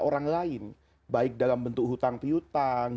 orang lain baik dalam bentuk hutang pihutang